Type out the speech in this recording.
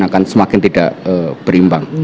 akan semakin tidak berimbang